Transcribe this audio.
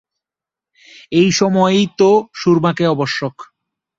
এই সময়েই তো সুরমাকে আবশ্যক।